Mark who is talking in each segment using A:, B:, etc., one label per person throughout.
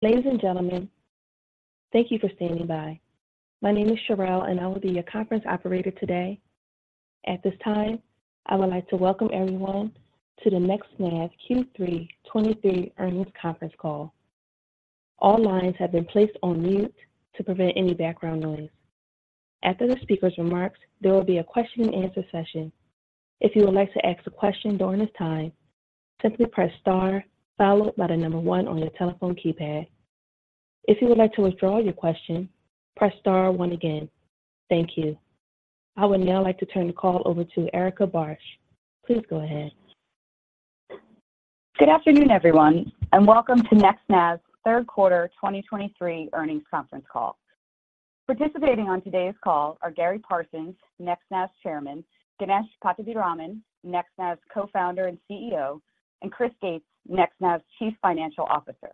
A: Ladies and gentlemen, thank you for standing by. My name is Cherrelle, and I will be your conference operator today. At this time, I would like to welcome everyone to the NextNav Q3 2023 Earnings Conference Call. All lines have been placed on mute to prevent any background noise. After the speaker's remarks, there will be a question and answer session. If you would like to ask a question during this time, simply press star, followed by the number one on your telephone keypad. If you would like to withdraw your question, press star one again. Thank you. I would now like to turn the call over to Erica Bartsch. Please go ahead.
B: Good afternoon, everyone, and welcome to NextNav's Q3 2023 Earnings Conference Call. Participating on today's call are Gary Parsons, NextNav's Chairman, Ganesh Pattabiraman, NextNav's Co-Founder and CEO, and Chris Gates, NextNav's Chief Financial Officer.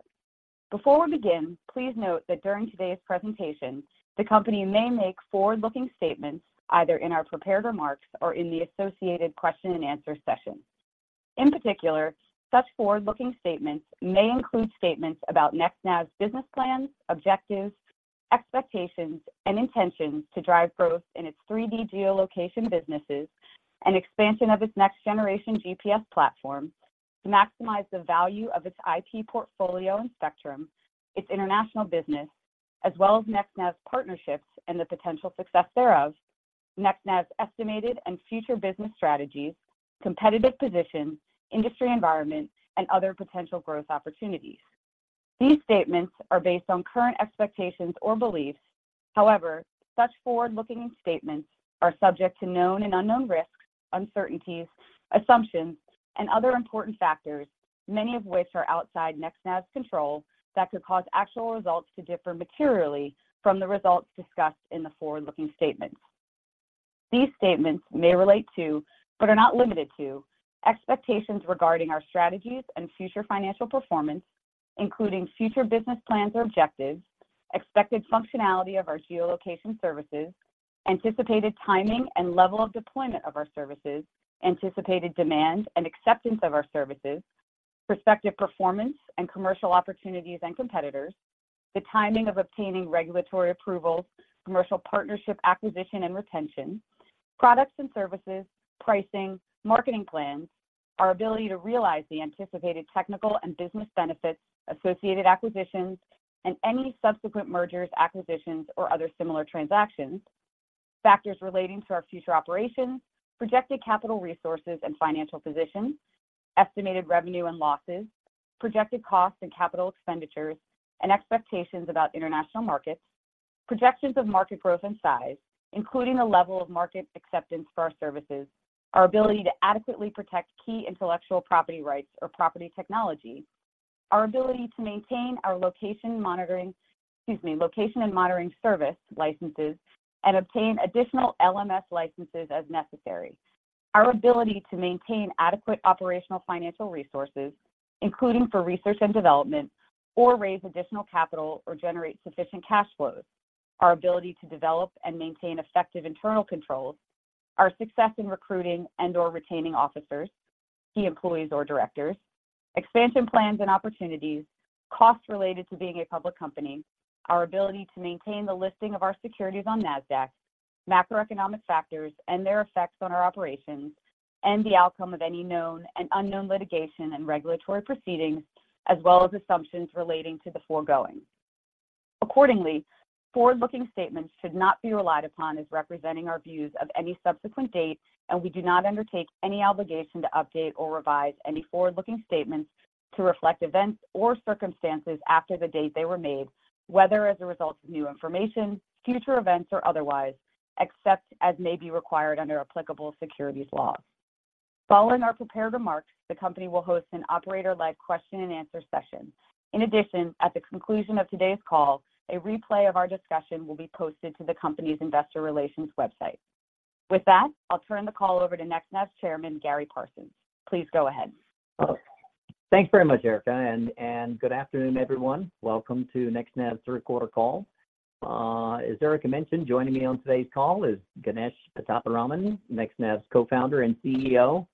B: Before we begin, please note that during today's presentation, the company may make forward-looking statements either in our prepared remarks or in the associated question and answer session. In particular, such forward-looking statements may include statements about NextNav's business plans, objectives, expectations, and intentions to drive growth in its 3D geolocation businesses and expansion of its next generation GPS platform, to maximize the value of its IP portfolio and spectrum, its international business, as well as NextNav's partnerships and the potential success thereof, NextNav's estimated and future business strategies, competitive position, industry environment, and other potential growth opportunities. These statements are based on current expectations or beliefs. However, such forward-looking statements are subject to known and unknown risks, uncertainties, assumptions, and other important factors, many of which are outside NextNav's control, that could cause actual results to differ materially from the results discussed in the forward-looking statements. These statements may relate to, but are not limited to, expectations regarding our strategies and future financial performance, including future business plans or objectives, expected functionality of our geolocation services, anticipated timing and level of deployment of our services, anticipated demand and acceptance of our services, prospective performance and commercial opportunities and competitors, the timing of obtaining regulatory approvals, commercial partnership, acquisition, and retention, products and services, pricing, marketing plans, our ability to realize the anticipated technical and business benefits, associated acquisitions, and any subsequent mergers, acquisitions, or other similar transactions. Factors relating to our future operations, projected capital resources and financial position, estimated revenue and losses, projected costs and capital expenditures, and expectations about international markets, projections of market growth and size, including the level of market acceptance for our services, our ability to adequately protect key intellectual property rights or property technology, our ability to maintain our location monitoring, excuse me, location and monitoring service licenses, and obtain additional LMS licenses as necessary. Our ability to maintain adequate operational financial resources, including for research and development, or raise additional capital or generate sufficient cash flows, our ability to develop and maintain effective internal controls, our success in recruiting and/or retaining officers, key employees, or directors, expansion plans and opportunities, costs related to being a public company, our ability to maintain the listing of our securities on Nasdaq, macroeconomic factors and their effects on our operations, and the outcome of any known and unknown litigation and regulatory proceedings, as well as assumptions relating to the foregoing. Accordingly, forward-looking statements should not be relied upon as representing our views of any subsequent date, and we do not undertake any obligation to update or revise any forward-looking statements to reflect events or circumstances after the date they were made, whether as a result of new information, future events, or otherwise, except as may be required under applicable securities laws. Following our prepared remarks, the company will host an operator-led question and answer session. In addition, at the conclusion of today's call, a replay of our discussion will be posted to the company's investor relations website. With that, I'll turn the call over to NextNav's chairman, Gary Parsons. Please go ahead.
C: Thanks very much, Erica, and good afternoon, everyone. Welcome to NextNav's Q3 Call. As Erica mentioned, joining me on today's call is Ganesh Pattabiraman, NextNav's Co-Founder and CEO,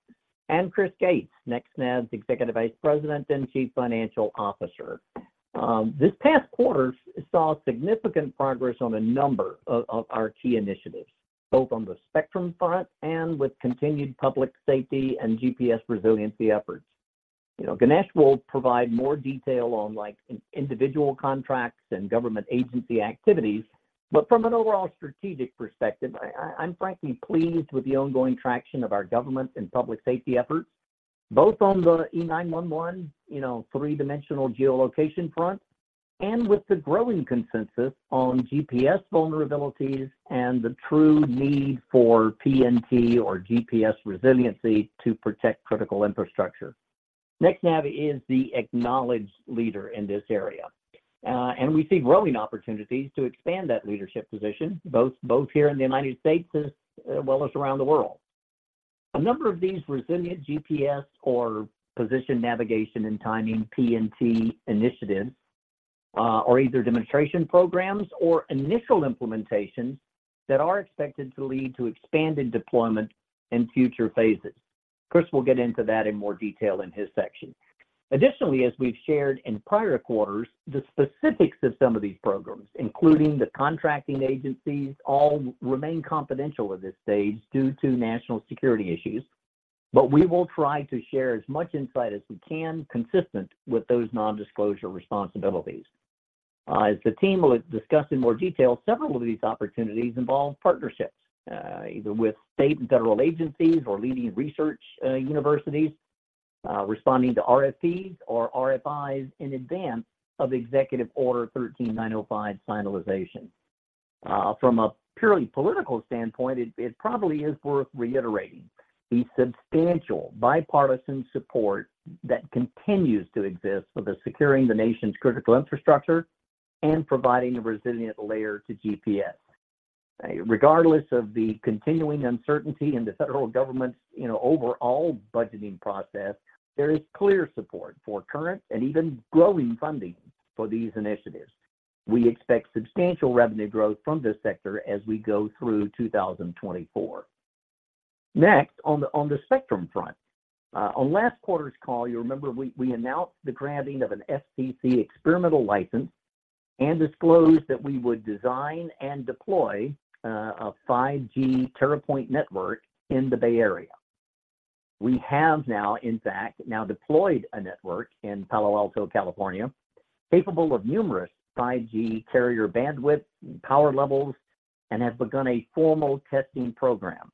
C: and Chris Gates, NextNav's Executive Vice President and Chief Financial Officer. This past quarter saw significant progress on a number of our key initiatives, both on the spectrum front and with continued public safety and GPS resiliency efforts. You know, Ganesh will provide more detail on, like, individual contracts and government agency activities, but from an overall strategic perspective, I'm frankly pleased with the ongoing traction of our government and public safety efforts, both on the E911, you know, 3D geolocation front and with the growing consensus on GPS vulnerabilities and the true need for PNT or GPS resiliency to protect critical infrastructure. NextNav is the acknowledged leader in this area, and we see growing opportunities to expand that leadership position, both, both here in the United States as, well as around the world. A number of these resilient GPS or Position, Navigation, and Timing, PNT initiatives, are either demonstration programs or initial implementations that are expected to lead to expanded deployment in future phases... Chris will get into that in more detail in his section. Additionally, as we've shared in prior quarters, the specifics of some of these programs, including the contracting agencies, all remain confidential at this stage due to national security issues. But we will try to share as much insight as we can, consistent with those non-disclosure responsibilities. As the team will discuss in more detail, several of these opportunities involve partnerships, either with state and federal agencies or leading research universities, responding to RFPs or RFIs in advance of Executive Order 13905 finalization. From a purely political standpoint, it probably is worth reiterating the substantial bipartisan support that continues to exist for securing the nation's critical infrastructure and providing a resilient layer to GPS. Regardless of the continuing uncertainty in the federal government's, you know, overall budgeting process, there is clear support for current and even growing funding for these initiatives. We expect substantial revenue growth from this sector as we go through 2024. Next, on the spectrum front. On last quarter's call, you remember we announced the granting of an FCC experimental license and disclosed that we would design and deploy a 5G TerraPoiNT network in the Bay Area. We have now, in fact, now deployed a network in Palo Alto, California, capable of numerous 5G carrier bandwidth and power levels and have begun a formal testing program.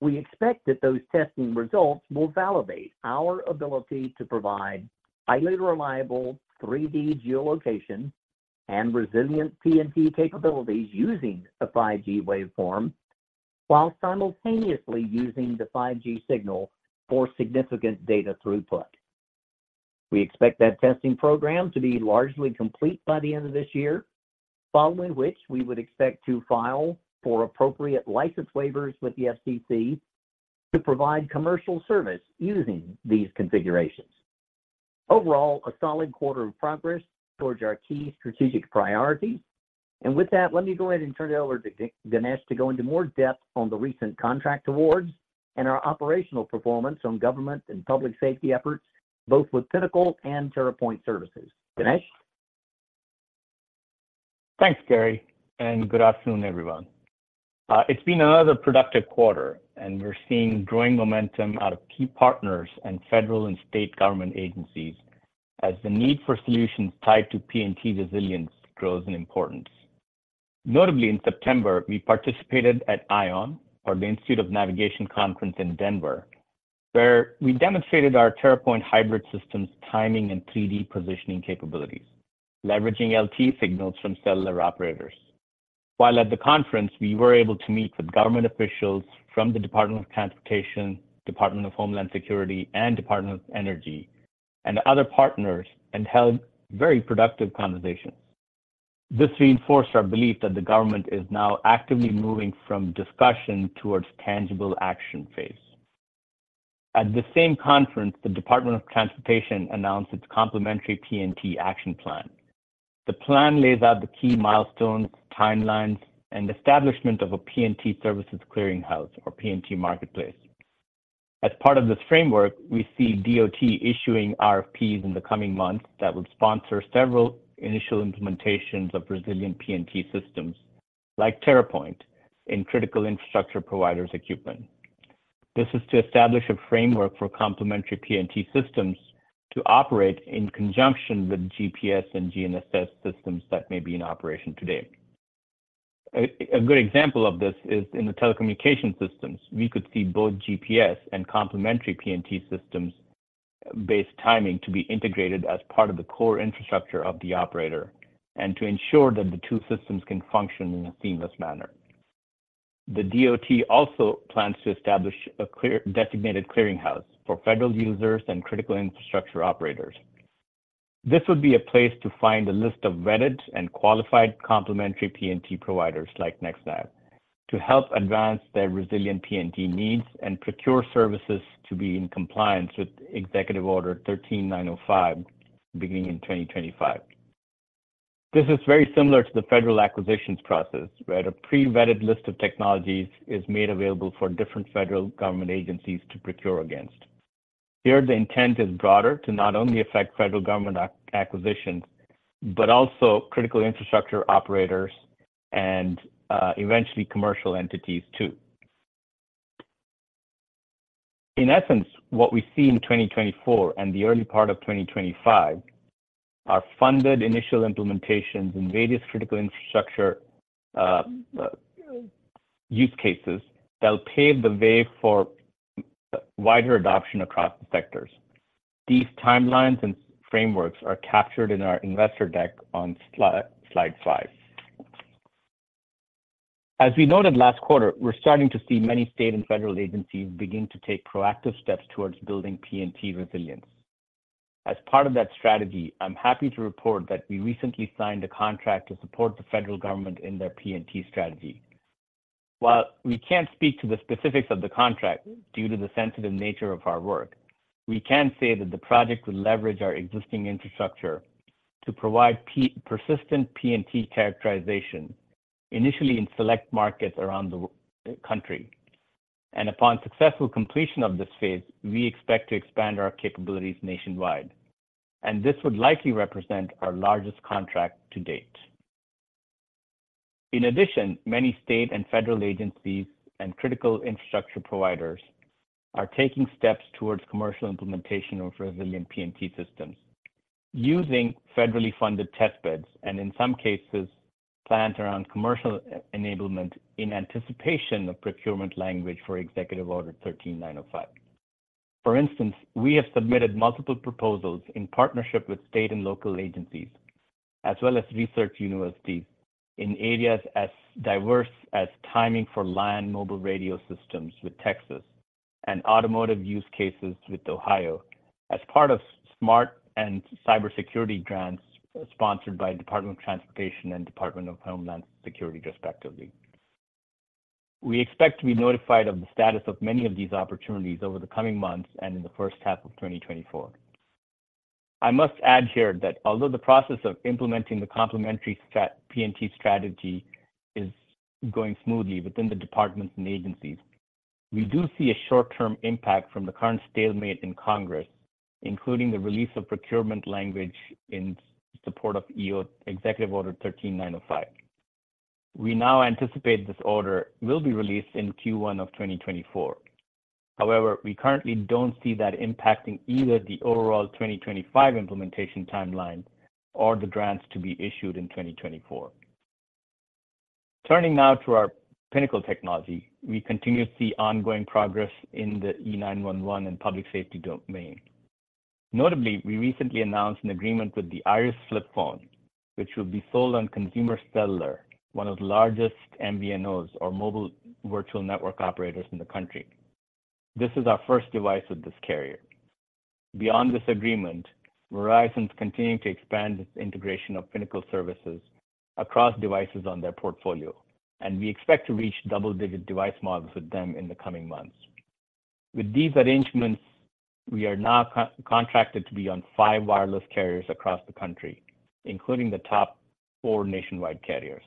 C: We expect that those testing results will validate our ability to provide highly reliable 3D geolocation and resilient PNT capabilities using a 5G waveform, while simultaneously using the 5G signal for significant data throughput. We expect that testing program to be largely complete by the end of this year, following which we would expect to file for appropriate license waivers with the FCC to provide commercial service using these configurations. Overall, a solid quarter of progress towards our key strategic priorities. With that, let me go ahead and turn it over to Ganesh to go into more depth on the recent contract awards and our operational performance on government and public safety efforts, both with Pinnacle and TerraPoiNT services. Ganesh?
D: Thanks, Gary, and good afternoon, everyone. It's been another productive quarter, and we're seeing growing momentum out of key partners and federal and state government agencies as the need for solutions tied to PNT resilience grows in importance. Notably, in September, we participated at ION, or the Institute of Navigation Conference in Denver, where we demonstrated our TerraPoiNT hybrid systems timing and 3D positioning capabilities, leveraging LTE signals from cellular operators. While at the conference, we were able to meet with government officials from the Department of Transportation, Department of Homeland Security, and Department of Energy, and other partners, and held very productive conversations. This reinforced our belief that the government is now actively moving from discussion towards tangible action phase. At the same conference, the Department of Transportation announced its complementary PNT action plan. The plan lays out the key milestones, timelines, and establishment of a PNT services clearinghouse or PNT marketplace. As part of this framework, we see DOT issuing RFPs in the coming months that would sponsor several initial implementations of resilient PNT systems like TerraPoiNT in critical infrastructure providers' equipment. This is to establish a framework for complementary PNT systems to operate in conjunction with GPS and GNSS systems that may be in operation today. A good example of this is in the telecommunication systems. We could see both GPS and complementary PNT systems-based timing to be integrated as part of the core infrastructure of the operator and to ensure that the two systems can function in a seamless manner. DOT also plans to establish a clearly designated clearinghouse for federal users and critical infrastructure operators. This would be a place to find a list of vetted and qualified complementary PNT providers like NextNav, to help advance their resilient PNT needs and procure services to be in compliance with Executive Order 13905, beginning in 2025. This is very similar to the federal acquisitions process, where a pre-vetted list of technologies is made available for different federal government agencies to procure against. Here, the intent is broader to not only affect federal government acquisitions, but also critical infrastructure operators and eventually commercial entities, too. In essence, what we see in 2024 and the early part of 2025 are funded initial implementations in various critical infrastructure use cases that will pave the way for wider adoption across the sectors. These timelines and frameworks are captured in our investor deck on slide five. As we noted last quarter, we're starting to see many state and federal agencies begin to take proactive steps toward building PNT resilience. As part of that strategy, I'm happy to report that we recently signed a contract to support the federal government in their PNT strategy. While we can't speak to the specifics of the contract due to the sensitive nature of our work, we can say that the project will leverage our existing infrastructure to provide persistent PNT characterization, initially in select markets around the country. Upon successful completion of this phase, we expect to expand our capabilities nationwide, and this would likely represent our largest contract to date. In addition, many state and federal agencies and critical infrastructure providers are taking steps towards commercial implementation of resilient PNT systems, using federally funded test beds, and in some cases, plans around commercial enablement in anticipation of procurement language for Executive Order 13905. For instance, we have submitted multiple proposals in partnership with state and local agencies, as well as research universities in areas as diverse as timing for land mobile radio systems with Texas, and automotive use cases with Ohio as part of SMART and cybersecurity grants sponsored by Department of Transportation and Department of Homeland Security, respectively. We expect to be notified of the status of many of these opportunities over the coming months and in the first half of 2024. I must add here that although the process of implementing the complementary PNT strategy is going smoothly within the departments and agencies, we do see a short-term impact from the current stalemate in Congress, including the release of procurement language in support of EO, Executive Order 13905. We now anticipate this order will be released in Q1 of 2024. However, we currently don't see that impacting either the overall 2025 implementation timeline or the grants to be issued in 2024. Turning now to our Pinnacle technology, we continue to see ongoing progress in the E911 and public safety domain. Notably, we recently announced an agreement with the Iris Flip Phone, which will be sold on Consumer Cellular, one of the largest MVNOs or mobile virtual network operators in the country. This is our first device with this carrier. Beyond this agreement, Verizon is continuing to expand its integration of Pinnacle services across devices on their portfolio, and we expect to reach double-digit device models with them in the coming months. With these arrangements, we are now co-contracted to be on five wireless carriers across the country, including the top four nationwide carriers.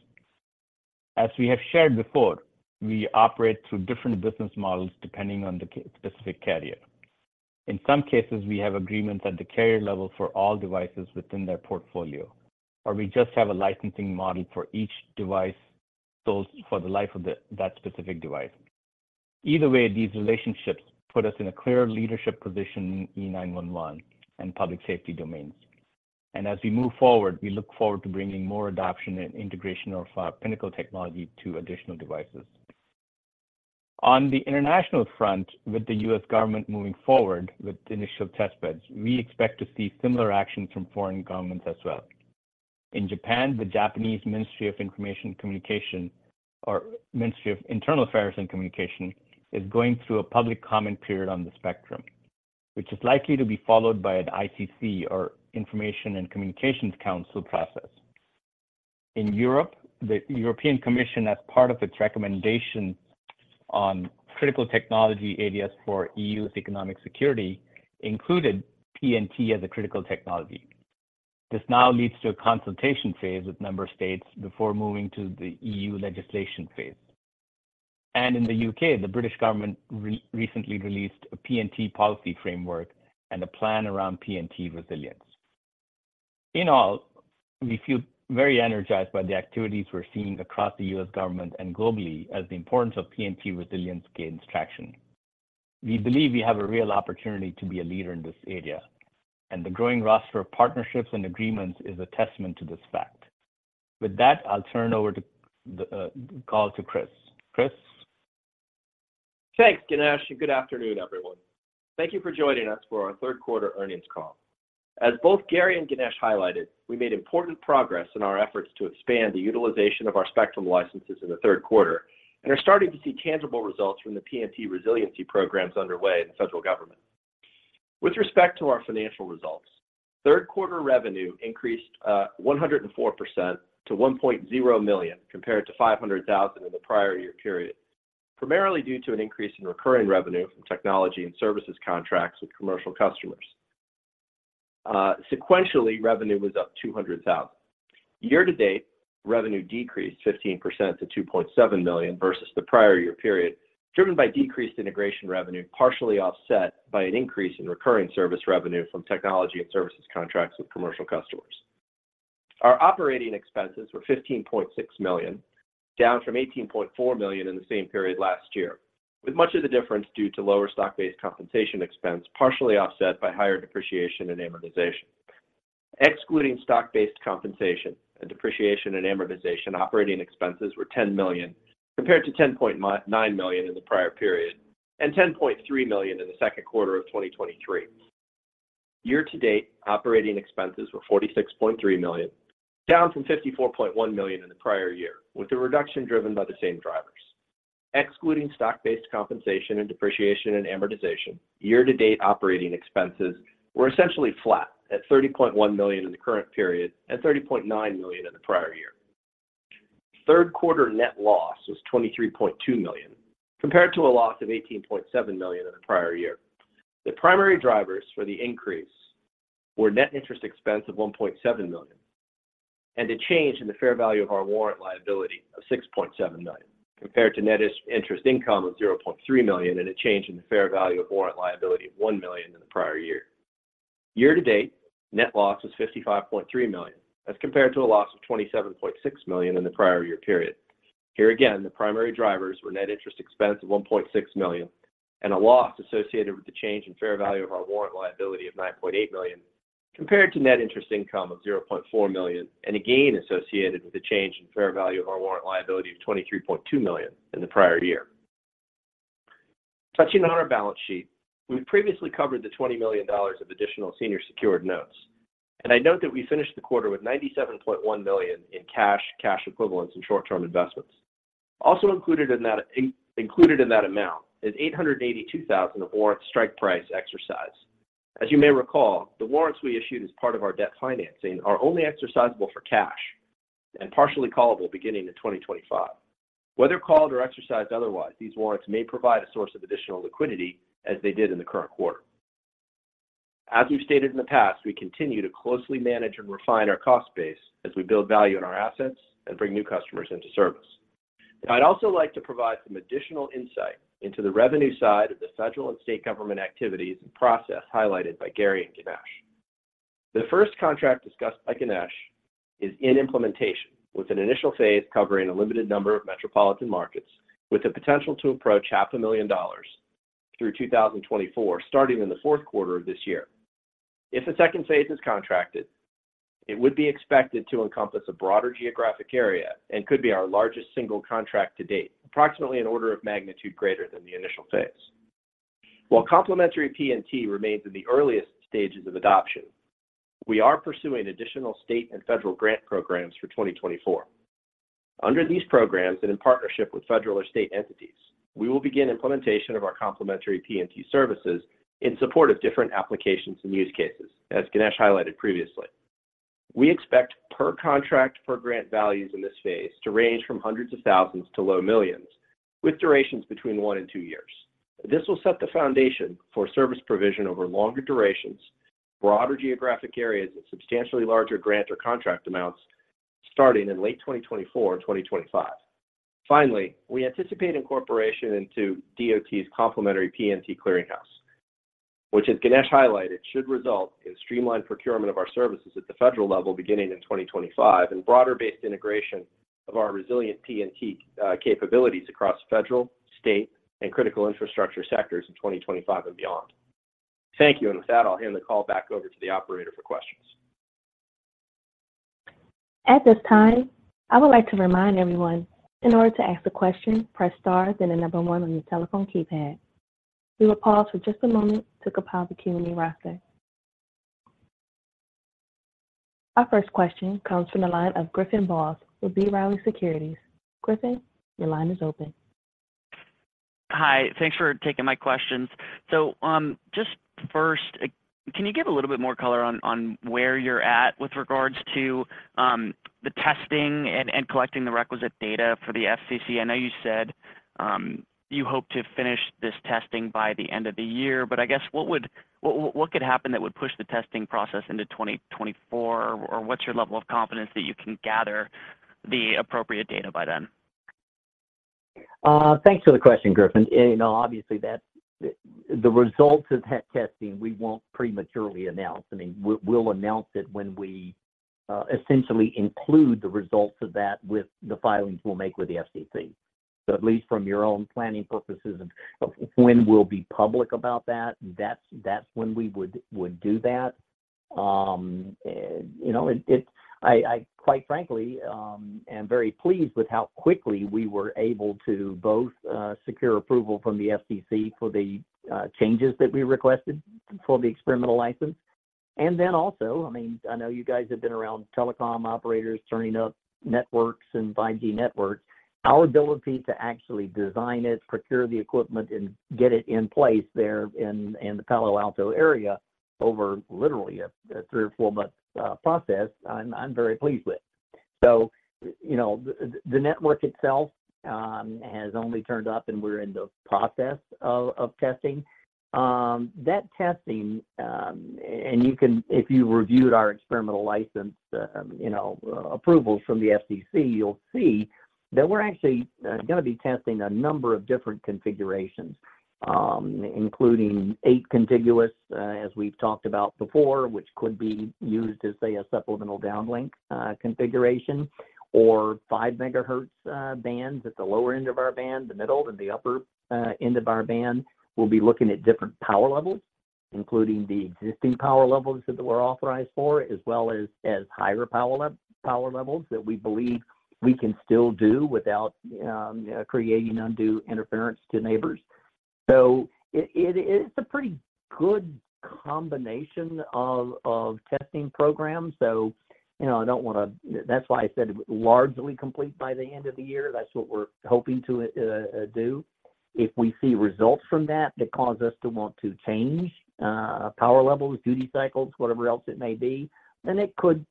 D: As we have shared before, we operate through different business models depending on the specific carrier. In some cases, we have agreements at the carrier level for all devices within their portfolio, or we just have a licensing model for each device, sold for the life of that specific device. Either way, these relationships put us in a clear leadership position in E911 and public safety domains. As we move forward, we look forward to bringing more adoption and integration of Pinnacle technology to additional devices. On the international front, with the U.S. government moving forward with initial test beds, we expect to see similar action from foreign governments as well. In Japan, the Japanese Ministry of Internal Affairs and Communications is going through a public comment period on the spectrum, which is likely to be followed by an ICC or Information and Communications Council process. In Europe, the European Commission, as part of its recommendation on critical technology areas for EU's economic security, included PNT as a critical technology. This now leads to a consultation phase with member states before moving to the EU legislation phase. In the U.K., the British government recently released a PNT policy framework and a plan around PNT resilience. In all, we feel very energized by the activities we're seeing across the U.S. government and globally as the importance of PNT resilience gains traction. We believe we have a real opportunity to be a leader in this area, and the growing roster of partnerships and agreements is a testament to this fact. With that, I'll turn over to the call to Chris. Chris?
E: Thanks, Ganesh, and good afternoon, everyone. Thank you for joining us for our Q3 Earnings Call. As both Gary and Ganesh highlighted, we made important progress in our efforts to expand the utilization of our spectrum licenses in the Q3, and are starting to see tangible results from the PNT resiliency programs underway in the federal government. With respect to our financial results, Q3 revenue increased 104% to $1.0 million, compared to 500,000 in the prior year period, primarily due to an increase in recurring revenue from technology and services contracts with commercial customers. Sequentially, revenue was up $200,000. Year to date, revenue decreased 15% to $2.7 million versus the prior year period, driven by decreased integration revenue, partially offset by an increase in recurring service revenue from technology and services contracts with commercial customers. Our operating expenses were $15.6 down from 18.4 million in the same period last year, with much of the difference due to lower stock-based compensation expense, partially offset by higher depreciation and amortization. Excluding stock-based compensation and depreciation and amortization, operating expenses were $10 million, compared to nine million in the prior period, and $10.3 million in the Q2 of 2023. Year to date, operating expenses were $46.3 down from 54.1 million in the prior year, with the reduction driven by the same drivers. Excluding stock-based compensation and depreciation and amortization, year to date operating expenses were essentially flat at $30. in the current period and $30.9 million in the prior year. Q3 net loss was $23.2 compared to a loss of 18.7 million in the prior year. The primary drivers for the increase were net interest expense of $1.7 million, and a change in the fair value of our warrant liability of $6.7 compared to net interest income of 0.3 million, and a change in the fair value of warrant liability of $1 million in the prior year. Year to date, net loss was $55.3 as compared to a loss of 27.6 million in the prior year period. Here again, the primary drivers were net interest expense of $1.6 million, and a loss associated with the change in fair value of our warrant liability of $9.8 compared to net interest income of 0.4 million, and a gain associated with the change in fair value of our warrant liability of $23.2 million in the prior year. Touching on our balance sheet, we previously covered the $20 million of additional senior secured notes, and I note that we finished the quarter with $97.1 million in cash, cash equivalents, and short-term investments. Also included in that, included in that amount is $882,000 of warrant strike price exercise. As you may recall, the warrants we issued as part of our debt financing are only exercisable for cash and partially callable beginning in 2025. Whether called or exercised otherwise, these warrants may provide a source of additional liquidity as they did in the current quarter. As we've stated in the past, we continue to closely manage and refine our cost base as we build value in our assets and bring new customers into service. I'd also like to provide some additional insight into the revenue side of the federal and state government activities and process highlighted by Gary and Ganesh. The first contract discussed by Ganesh is in implementation, with an initial phase covering a limited number of metropolitan markets, with the potential to approach $500,000 through 2024, starting in the Q4 of this year. If a second phase is contracted, it would be expected to encompass a broader geographic area and could be our largest single contract to date, approximately an order of magnitude greater than the initial phase. While complementary PNT remains in the earliest stages of adoption, we are pursuing additional state and federal grant programs for 2024. Under these programs, and in partnership with federal or state entities, we will begin implementation of our complementary PNT services in support of different applications and use cases, as Ganesh highlighted previously. We expect per contract, per grant values in this phase to range from $100,000 to low millions, with durations between one and two years. This will set the foundation for service provision over longer durations, broader geographic areas, and substantially larger grant or contract amounts starting in late 2024, 2025. Finally, we anticipate incorporation into DOT's complementary PNT Clearinghouse, which, as Ganesh highlighted, should result in streamlined procurement of our services at the federal level beginning in 2025, and broader-based integration of our resilient PNT capabilities across federal, state, and critical infrastructure sectors in 2025 and beyond. Thank you, and with that, I'll hand the call back over to the operator for questions.
A: At this time, I would like to remind everyone, in order to ask a question, press star, then the number 1 on your telephone keypad. We will pause for just a moment to compile the Q&A roster. Our first question comes from the line of Griffin Boss with B. Riley Securities. Griffin, your line is open.
F: Hi, thanks for taking my questions. So, just first, can you give a little bit more color on where you're at with regards to the testing and collecting the requisite data for the FCC? I know you said you hope to finish this testing by the end of the year, but I guess what could happen that would push the testing process into 2024? Or what's your level of confidence that you can gather the appropriate data by then?
C: Thanks for the question, Griffin. You know, obviously, that's the results of that testing, we won't prematurely announce. I mean, we'll announce it when we essentially include the results of that with the filings we'll make with the FCC. So at least from your own planning purposes of when we'll be public about that, that's when we would do that. And, you know, it, I quite frankly, am very pleased with how quickly we were able to both secure approval from the FCC for the changes that we requested for the experimental license. And then also, I mean, I know you guys have been around telecom operators turning up networks and 5G networks. Our ability to actually design it, procure the equipment, and get it in place there in the Palo Alto area over literally a three or four-month process, I'm very pleased with. So, you know, the network itself has only turned up, and we're in the process of testing. That testing, and you can, if you reviewed our experimental license, approvals from the FCC, you'll see that we're actually gonna be testing a number of different configurations, including eight contiguous, as we've talked about before, which could be used as, say, a supplemental downlink configuration or 5MHz bands at the lower end of our band. The middle and the upper end of our band will be looking at different power levels, including the existing power levels that we're authorized for, as well as higher power levels that we believe we can still do without creating undue interference to neighbors. So it's a pretty good combination of testing programs. So, you know, I don't want to. That's why I said largely complete by the end of the year. That's what we're hoping to do. If we see results from that that cause us to want to change power levels, duty cycles, whatever else it may be, then it could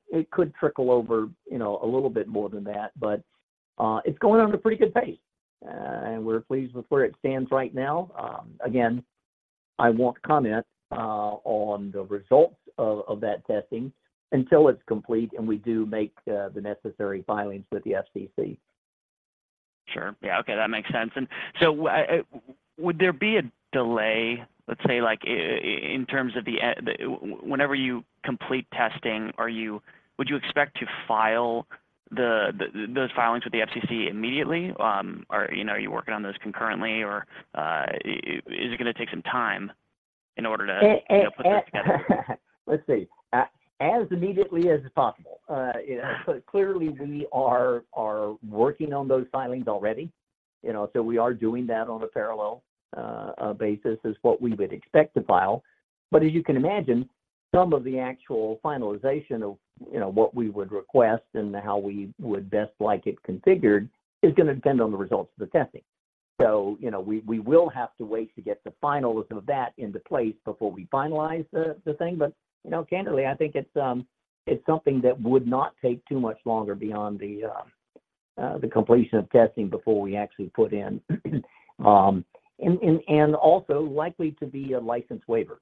C: trickle over, you know, a little bit more than that. But it's going on at a pretty good pace, and we're pleased with where it stands right now. Again, I won't comment on the results of that testing until it's complete, and we do make the necessary filings with the FCC.
F: Sure. Yeah. Okay, that makes sense. And so, would there be a delay, let's say, like, in terms of the end, the, whenever you complete testing, would you expect to file the, those filings with the FCC immediately? Or, you know, are you working on those concurrently, or, is it gonna take some time in order to-
C: Eh, eh,
F: Put this together?
C: Let's see. As immediately as possible. You know, clearly, we are working on those filings already, you know, so we are doing that on a parallel basis as what we would expect to file. But as you can imagine, some of the actual finalization of, you know, what we would request and how we would best like it configured is gonna depend on the results of the testing. So, you know, we will have to wait to get the final of that into place before we finalize the thing. But, you know, candidly, I think it's something that would not take too much longer beyond the completion of testing before we actually put in. And also likely to be a license waiver.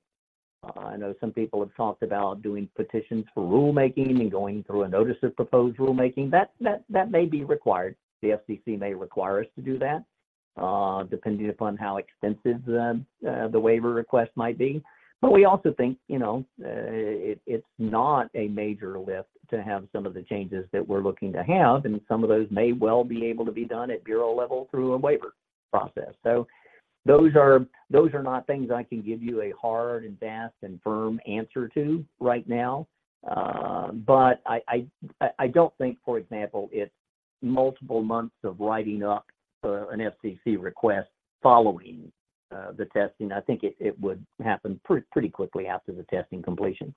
C: I know some people have talked about doing petitions for rulemaking and going through a notice of proposed rulemaking. That may be required. The FCC may require us to do that, depending upon how extensive the waiver request might be. But we also think, you know, it's not a major lift to have some of the changes that we're looking to have, and some of those may well be able to be done at bureau level through a waiver process. So those are not things I can give you a hard and fast and firm answer to right now. But I don't think, for example, it's multiple months of writing up an FCC request following the testing. I think it would happen pretty quickly after the testing completion.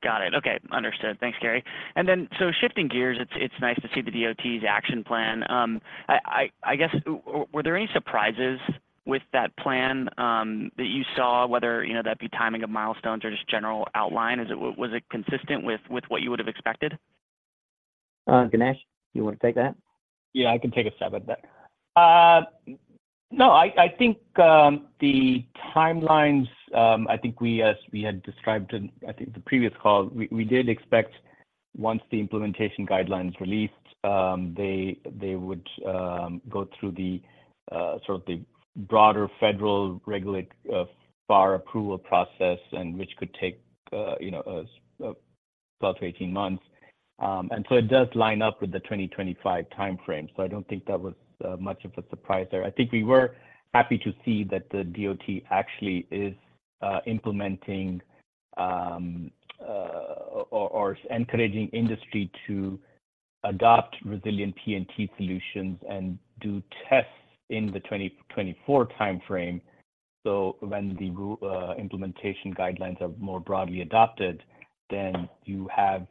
F: Got it. Okay, understood. Thanks, Gary. And then, so shifting gears, it's nice to see the DOT's action plan. I guess, were there any surprises with that plan that you saw, whether, you know, that'd be timing of milestones or just general outline? Was it consistent with what you would have expected?
C: Ganesh, you want to take that?
D: Yeah, I can take a stab at that. No, I think the timelines, I think we, as we had described in, I think, the previous call, we did expect once the implementation guidelines released, they would go through the sort of the broader federal regulatory approval process, and which could take, you know, 12-18 months. And so it does line up with the 2025 timeframe, so I don't think that was much of a surprise there. I think we were happy to see that the DOT actually is implementing or encouraging industry to adopt resilient PNT solutions and do tests in the 2024 timeframe. So when the rule implementation guidelines are more broadly adopted, then you have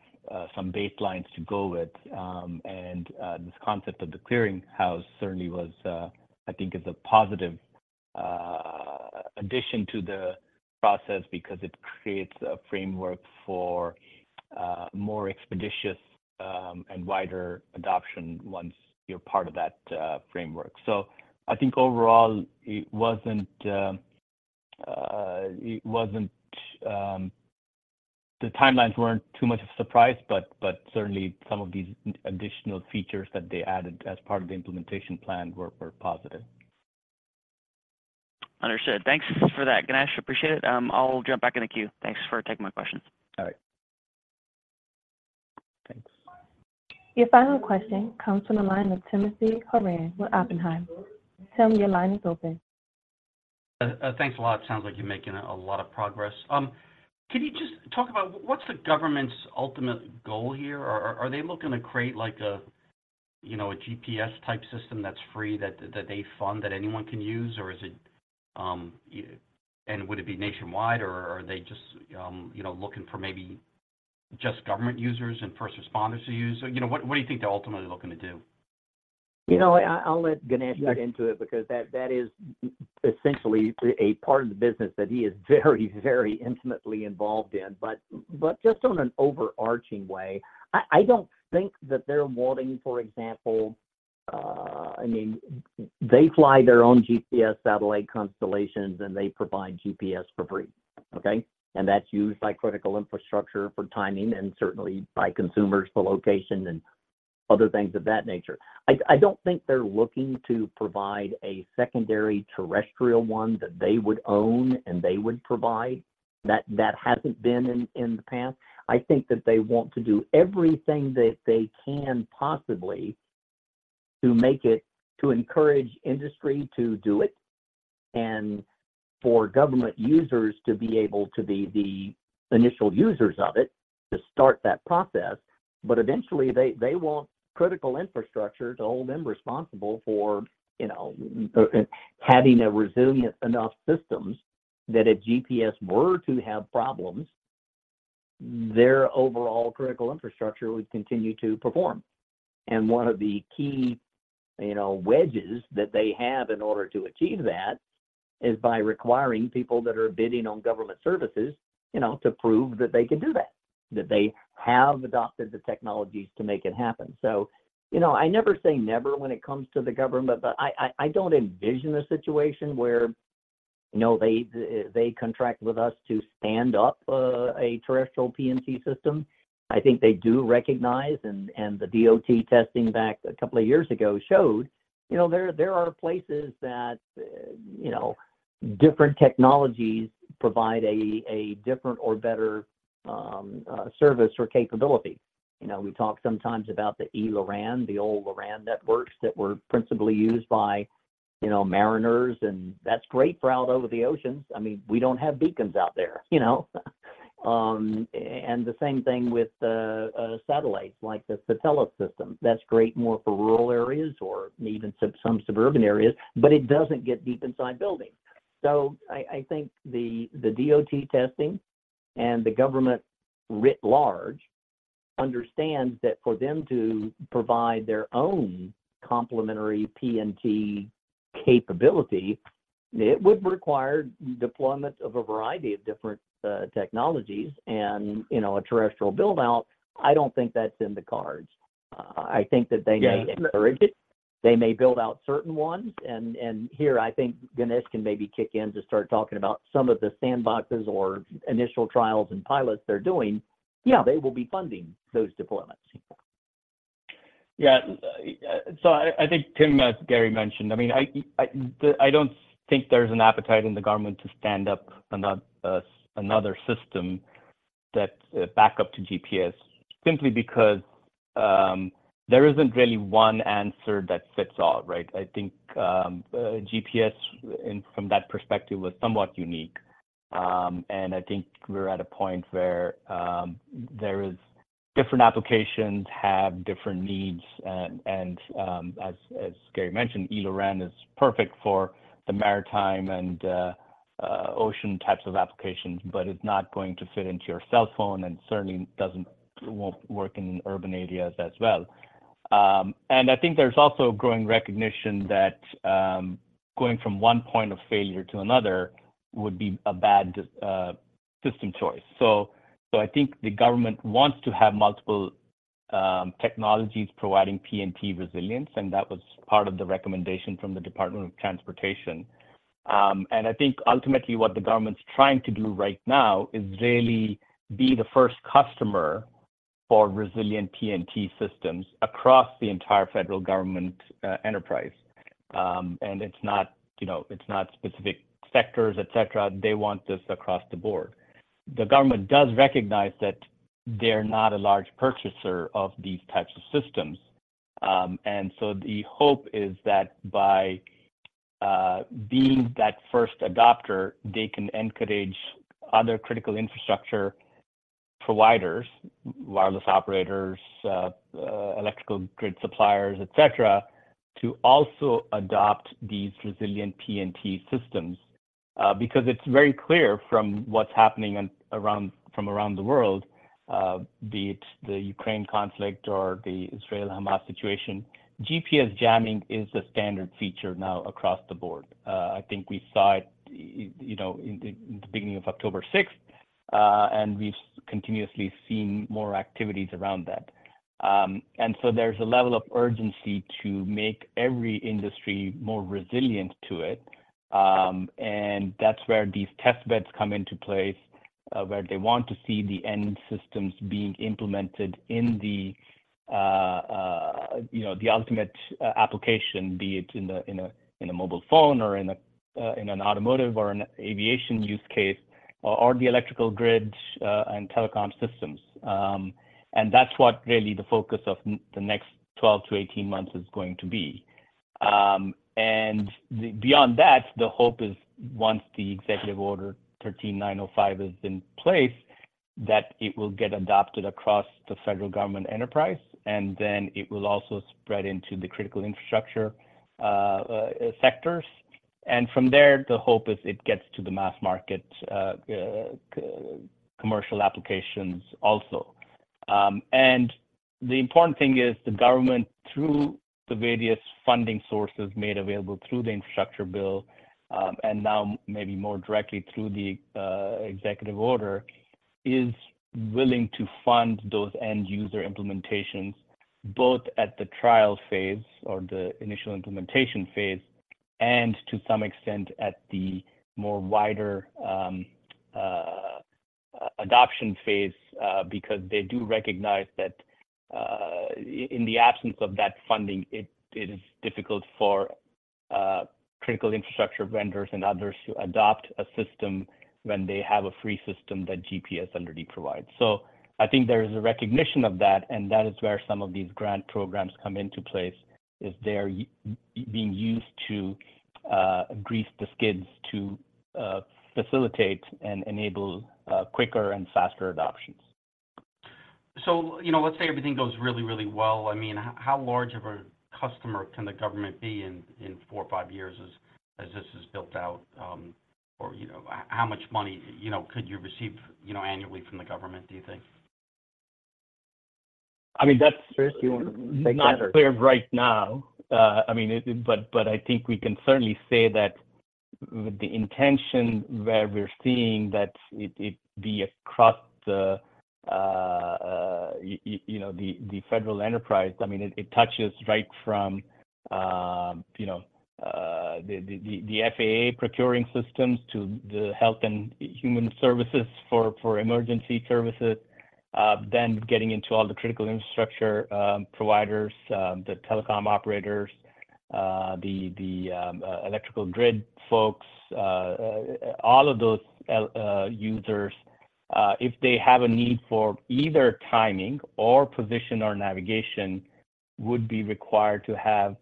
D: some baselines to go with. This concept of the clearing house certainly was, I think is a positive addition to the process because it creates a framework for more expeditious and wider adoption once you're part of that framework. So I think overall, it wasn't the timelines weren't too much of a surprise, but certainly some of these additional features that they added as part of the implementation plan were positive.
F: Understood. Thanks for that, Ganesh. Appreciate it. I'll jump back in the queue. Thanks for taking my questions.
D: All right.
C: Thanks.
A: Your final question comes from the line of Timothy Horan with Oppenheimer. Tim, your line is open.
G: Thanks a lot. Sounds like you're making a lot of progress. Can you just talk about what's the government's ultimate goal here? Are they looking to create like a, you know, a GPS-type system that's free, that they fund, that anyone can use? Or is it, and would it be nationwide, or are they just, you know, looking for maybe just government users and first responders to use? You know, what do you think they're ultimately looking to do?
C: You know, I'll let Ganesh get into it-
D: Yeah...
C: because that is essentially a part of the business that he is very, very intimately involved in. But just on an overarching way, I don't think that they're wanting, for example, I mean, they fly their own GPS satellite constellations, and they provide GPS for free, okay? And that's used by critical infrastructure for timing and certainly by consumers for location and other things of that nature. I don't think they're looking to provide a secondary terrestrial one that they would own, and they would provide. That hasn't been in the past. I think that they want to do everything that they can possibly to make it, to encourage industry to do it, and for government users to be able to be the initial users of it, to start that process. But eventually, they want critical infrastructure to hold them responsible for, you know, having resilient enough systems that if GPS were to have problems, their overall critical infrastructure would continue to perform. And one of the key, you know, wedges that they have in order to achieve that is by requiring people that are bidding on government services, you know, to prove that they can do that, that they have adopted the technologies to make it happen. So, you know, I never say never when it comes to the government, but I don't envision a situation where, you know, they contract with us to stand up a terrestrial PNT system. I think they do recognize, and the DOT testing back a couple of years ago showed, you know, there are places that, you know, different technologies provide a different or better service or capability. You know, we talk sometimes about the eLORAN, the old LORAN networks that were principally used by, you know, mariners, and that's great for out over the oceans. I mean, we don't have beacons out there, you know? And the same thing with satellites, like the Satelles system. That's great more for rural areas or even some suburban areas, but it doesn't get deep inside buildings. So I think the DOT testing and the government writ large understands that for them to provide their own complementary PNT capability, it would require deployment of a variety of different technologies. You know, a terrestrial build-out, I don't think that's in the cards. I think that they may-
D: Yeah...
C: encourage it. They may build out certain ones, and here, I think Ganesh can maybe kick in to start talking about some of the sandboxes or initial trials and pilots they're doing. Yeah, they will be funding those deployments.
D: Yeah. So I think, Tim, as Gary mentioned, I mean, I don't think there's an appetite in the government to stand up another another system that back up to GPS simply because there isn't really one answer that fits all, right? I think GPS, and from that perspective was somewhat unique. And I think we're at a point where there is different applications have different needs, and as Gary mentioned, eLORAN is perfect for the maritime and ocean types of applications, but it's not going to fit into your cell phone and certainly doesn't, won't work in urban areas as well. And I think there's also a growing recognition that going from one point of failure to another would be a bad system choice. So, I think the government wants to have multiple, technologies providing PNT resilience, and that was part of the recommendation from the Department of Transportation. And I think ultimately what the government's trying to do right now is really be the first customer for resilient PNT systems across the entire federal government, enterprise. And it's not, you know, it's not specific sectors, et cetera. They want this across the board. The government does recognize that they're not a large purchaser of these types of systems. And so the hope is that by, being that first adopter, they can encourage other critical infrastructure providers, wireless operators, electrical grid suppliers, et cetera, to also adopt these resilient PNT systems. Because it's very clear from what's happening on, around, from around the world, be it the Ukraine conflict or the Israel-Hamas situation, GPS jamming is a standard feature now across the board. I think we saw it, you know, in the, the beginning of October sixth, and we've continuously seen more activities around that. And so there's a level of urgency to make every industry more resilient to it. And that's where these test beds come into place, where they want to see the end systems being implemented in the, you know, the ultimate application, be it in a mobile phone, or in an automotive, or in an aviation use case, or the electrical grid, and telecom systems. And that's what really the focus of the next 12-18 months is going to be. And beyond that, the hope is once the Executive Order 13905 is in place, that it will get adopted across the federal government enterprise, and then it will also spread into the critical infrastructure sectors. And from there, the hope is it gets to the mass market commercial applications also. And the important thing is the government, through the various funding sources made available through the infrastructure bill, and now maybe more directly through the Executive Order, is willing to fund those end-user implementations, both at the trial phase or the initial implementation phase, and to some extent, at the more wider adoption phase. Because they do recognize that, in the absence of that funding, it is difficult for critical infrastructure vendors and others to adopt a system when they have a free system that GPS already provides. So I think there is a recognition of that, and that is where some of these grant programs come into place, is they're being used to grease the skids to facilitate and enable quicker and faster adoptions.
G: So, you know, let's say everything goes really, really well. I mean, how large of a customer can the government be in four or five years as this is built out? Or, you know, how much money could you receive annually from the government, do you think?
D: I mean, that's-
C: Chris, do you want to take that?
D: Not clear right now. I mean, but I think we can certainly say that with the intention where we're seeing that it be across the, you know, the federal enterprise. I mean, it touches right from, you know, the FAA procuring systems to the Health and Human Services for emergency services, then getting into all the critical infrastructure providers, the telecom operators, the electrical grid folks. All of those users, if they have a need for either timing or position or navigation, would be required to have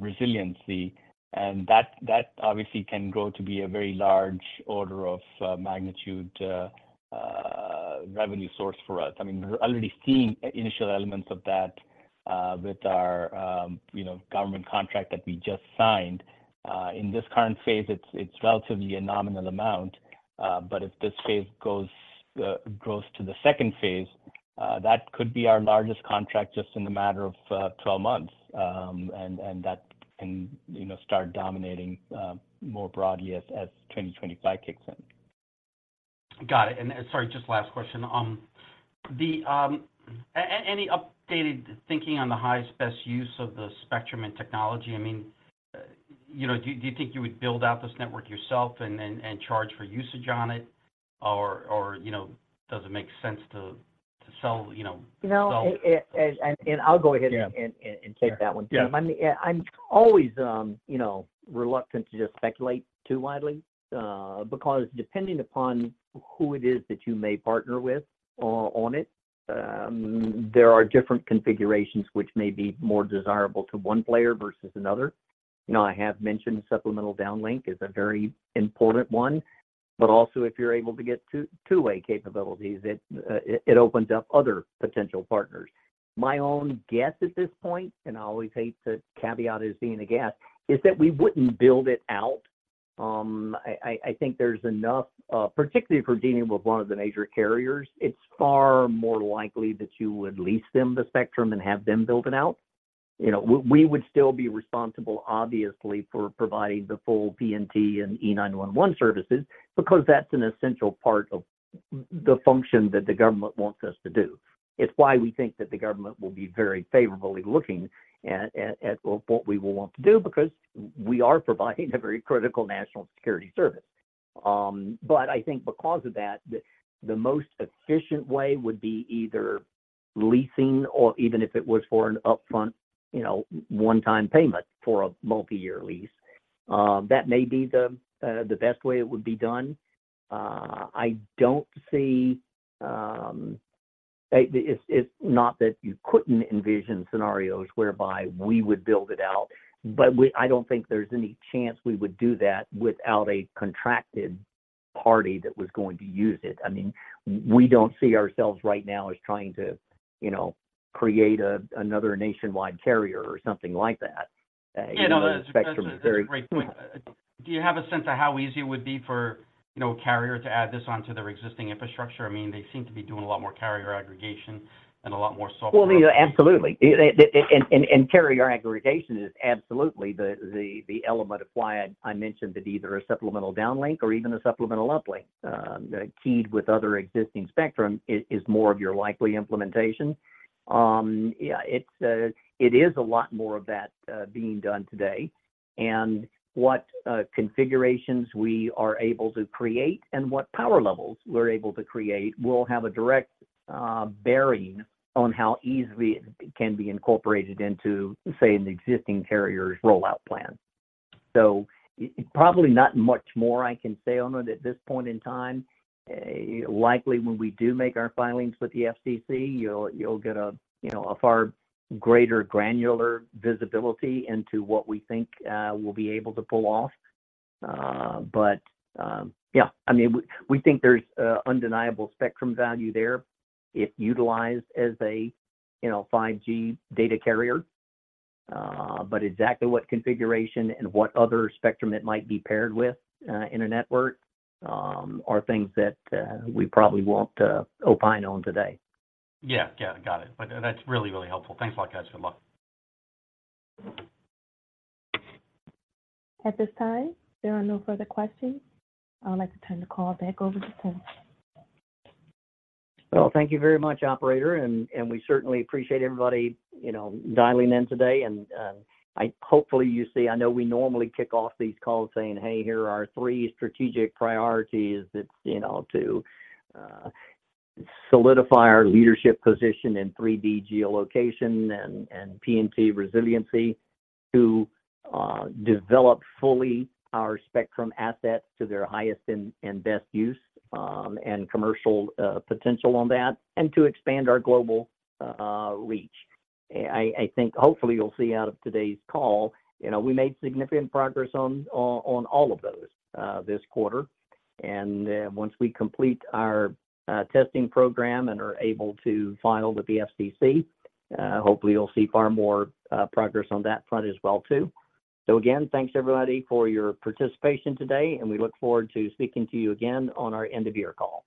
D: resiliency. And that obviously can grow to be a very large order of magnitude revenue source for us. I mean, we're already seeing initial elements of that, with our, you know, government contract that we just signed. In this current phase, it's, it's relatively a nominal amount, but if this phase goes, goes to the second phase, that could be our largest contract just in a matter of, 12 months. And, and that can, you know, start dominating, more broadly as, as 2025 kicks in.
G: Got it. And, sorry, just last question. Any updated thinking on the highest, best use of the spectrum and technology? I mean, you know, do you think you would build out this network yourself and then charge for usage on it, or, you know, does it make sense to sell, you know, sell?
C: You know, I'll go ahead.
G: Yeah...
C: and take that one.
G: Yeah.
C: I mean, yeah, I'm always, you know, reluctant to just speculate too widely, because depending upon who it is that you may partner with, on it, there are different configurations which may be more desirable to one player versus another. You know, I have mentioned supplemental downlink is a very important one, but also, if you're able to get two-way capabilities, it opens up other potential partners. My own guess at this point, and I always hate to caveat as being a guess, is that we wouldn't build it out. I think there's enough, particularly if we're dealing with one of the major carriers, it's far more likely that you would lease them the spectrum and have them build it out. You know, we would still be responsible, obviously, for providing the full PNT and E911 services because that's an essential part of the function that the government wants us to do. It's why we think that the government will be very favorably looking at what we will want to do because we are providing a very critical national security service. But I think because of that, the most efficient way would be either leasing or even if it was for an upfront, you know, one-time payment for a multiyear lease. That may be the best way it would be done. I don't see, it's not that you couldn't envision scenarios whereby we would build it out, but I don't think there's any chance we would do that without a contracted party that was going to use it. I mean, we don't see ourselves right now as trying to, you know, create another nationwide carrier or something like that. You know, the spectrum is very-
G: Yeah, no, that's a great point. Do you have a sense of how easy it would be for, you know, a carrier to add this onto their existing infrastructure? I mean, they seem to be doing a lot more carrier aggregation and a lot more software.
C: Well, absolutely. It and carrier aggregation is absolutely the element of why I mentioned that either a supplemental downlink or even a supplemental uplink, keyed with other existing spectrum is more of your likely implementation. Yeah, it's a lot more of that being done today. And what configurations we are able to create and what power levels we're able to create will have a direct bearing on how easily it can be incorporated into, say, an existing carrier's rollout plan. So probably not much more I can say on it at this point in time. Likely, when we do make our filings with the FCC, you'll get a, you know, a far greater granular visibility into what we think we'll be able to pull off. But yeah, I mean, we think there's undeniable spectrum value there if utilized as a 5G data carrier. But exactly what configuration and what other spectrum it might be paired with in a network are things that we probably won't opine on today.
G: Yeah. Yeah, got it. But that's really, really helpful. Thanks a lot, guys. Good luck.
A: At this time, there are no further questions. I'd like to turn the call back over to management.
C: Well, thank you very much, operator, and we certainly appreciate everybody, you know, dialing in today. And I hope you'll see, I know we normally kick off these calls saying, "Hey, here are our three strategic priorities." It's, you know, to solidify our leadership position in 3D geolocation and PNT resiliency, to develop fully our spectrum assets to their highest and best use, and commercial potential on that, and to expand our global reach. I think hopefully you'll see out of today's call, you know, we made significant progress on all of those this quarter. And once we complete our testing program and are able to file with the FCC, hopefully you'll see far more progress on that front as well, too. So again, thanks everybody, for your participation today, and we look forward to speaking to you again on our end-of-year call.